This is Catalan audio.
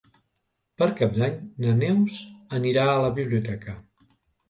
Per Cap d'Any na Neus anirà a la biblioteca.